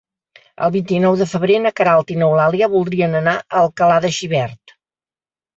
El vint-i-nou de febrer na Queralt i n'Eulàlia voldrien anar a Alcalà de Xivert.